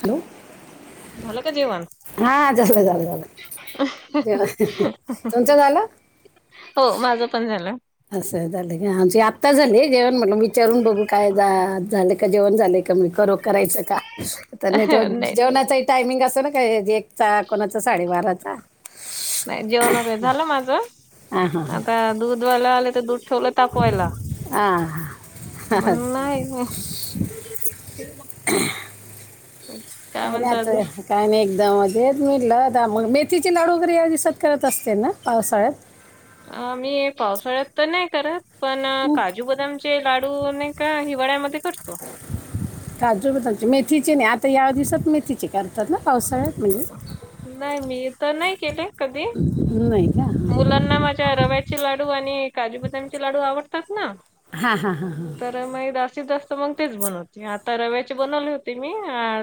Hello! झाल का जेवन? हा झालं झालं झालंव तुमचं झालं? हो माझं पण झालं. असं झालं का आमची आत्ता झाली जेवण म्हट विचारून बघू काय झाले का जेवण झाले क कर करायच का तर नाही ते जेवणाचा टायमिंग अस ना का च कोणाचा साडेबाराचा नाही जेवण वैगरे झालं माझं हां हां आता दूध दूधवाला आले तर दूध ठेवलं ताकवायला हां हां म्हण हां नाही [unintelligible] काय नाही अजून? आता काय नाही एकदमजच म्हणलं मग मी तीचे लाड वगैरे या दिसात करत असते ना पावसाळ्यात मी पावसाळ्यात तर नाही करत पण काज हं, काजू, बदामचे लाडू नाही का हिवाळ्यामध्ये करतो. काजू बची मेथीचे नाही आता या दिवसात मेथीची करतात ना पावसाळ्यात म्हणजे नाही मी तर नाही केले कधी. ह नाही. का हां मुलांना माझ्या रव्याचे लाडू आणि काजू बदामचे लाडू आवडतात ना? हा हा हा हां तर मागशीत जात मग तेच बनवते आता रव्याची बनवली होती मी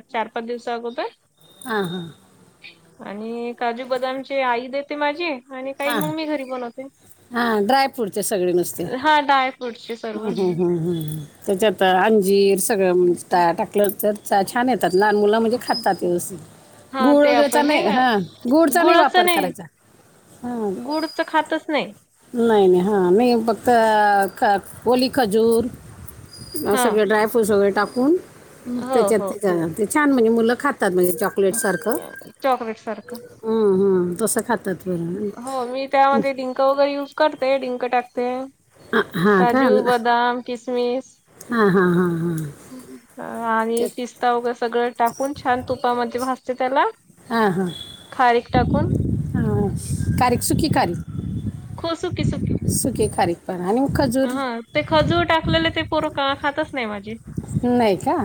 चार, पाच दिवसा अगोदर हां हां आणि काजू, बदामचे आई देते माझी आणि काही मग मी घरी बनवते. हा ड्राय फ्रूटचे सगळे नुसते. हा ड्राय फ्रूटचे सर्व त्याच्या आत अंजीर सगळं म्हणजे टाकलं. तर छान येतात लहान मुलं म्हणजे खातात व्यवस्थित. हा गुळ ते वगैरेचा आपण नाही का हा गुड चा नाही वापर करायचा. हां गुडचं खातच नाही. नाही नाही हा नाही फक्त ओली खजूर हा सगळे ड्रायफ्रूट सगळे टाकून हो त्याच्यात हो ते घ ते छान म्हणे मुलं खातात म्हणज चॉ चॉकलेट सारखं चॉकलेट सारखं तसं खातात. बरं हो मी त्यामध्ये डिंक वगैरे युज करते. डिंक टाकते. हां हां काजू, बदाम, किसमिस हा हा हा हा आणि पिस्ता वगैरे सगळं टाकून छान तुपामध्ये भाजते त्याला. हा हा खारीक टाकून हा खारीक सुखी खारीक हो सुकी सुकी सुकी खारीक पण आणि खजुर हा ते खजूर टाकलेले ते पोर खातच नाही माझी. नाय का.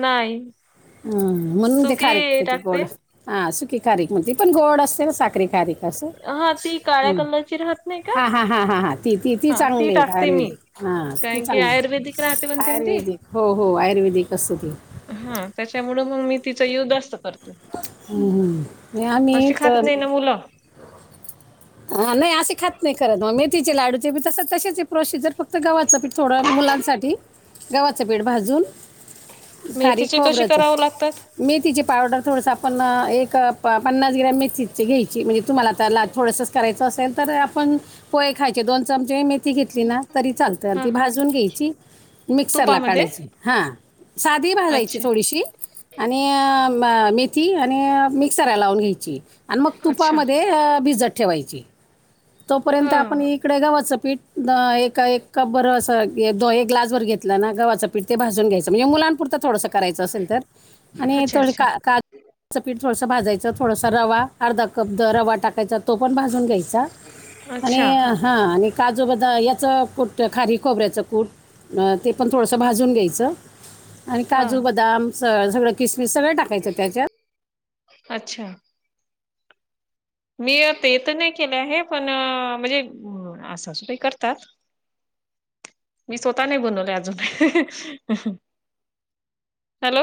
नाही. हम्म म्हणून ते खारक सुकी त्याचे टाकते गोड हा सुकी खारीक मग ती पण गोड असते ना साखरी खारीक. असं हा ती काळ्या कलरची राहत नाही का? हा हा हा हा ती ती ती हा चांगली आहे. टाकते मी आयुर्वेदिक हा ती कारण की चांगली आयुर्वेदिक राहते म्हणते ना ती आयुर्वेदिक, हो हो आयुर्वेदिक असत ते. हा त्याच्यामुळ मग मी तिचा युज जास्त करते. हम्म हम्म आम्ही अशी खात कल नाही ना मुलं हा नाही असे खात नाही खरं. मग मेथीचे लाडूचे बी तस तशीच आहे प्रोसिजर. फक्त गव्हात पीठ थोडं मुलांसाठी. गव्हाचं पीठ भाजून खरीक मेथीचे कसे खोबरच करावं लागतात मेथीची पावडर थोडंसं आपण एक प पन्नास ग्रॅम मेथीची घ्यायची. म्हणजे तुम्हाला तर ला थोडस करायचं असेल तर, आपण पोहे खायचे दोन चमचे मे मेथी घेतली ना तरी चालत. आणि हा ती भाजून घ्यायची. मिक्सरला तुपामध्ये काढायची. हा साधी भाजायची अच्छा थोडीशी. आणि म मेथी आणि मिक्सरला लावून घ्यायची. आणि मग अच्छा तुपामध्ये भिजत ठेवायची. तोपर्यंत हा आपण इकडे गव्हाचं पीठ ए एक कप बरं अस द एक ग्लास भर घेतला ना गव्हाच पीठ ते भाजून घ्यायच. म्हणजे मुलांपुरत थोडस करायच असेल तर, आणि अच्छा थोडे अच्छा का का पीठ थोडं भाजायचं. थोडसा रवा. अर्धा कप द रवा टाकायचा. तो पण भाजून घ्यायचा. [unintelligible] आणि हा आणि काजू बदा याच कूट खारीक खोबऱ्याचं कूट ते पण थोडस भाजून घ्यायच. आणि हा काजू, बदाम स सगळं किसमिस सगळं टाकायचं त्याच्यात. अच्छा मी ते तर नाही केले आहे. पण म्हणजे अ सासुबाई करतात. मी स्वतः नाही बनवले अजून. हॅलो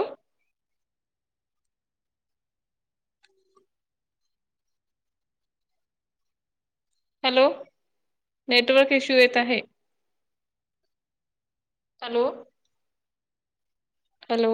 हॅलो नेटवर्क इश्यू येत आहे. Hello hello